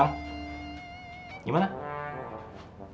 mau kemana ceng